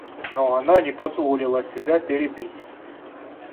Но она не позволила себя перебить.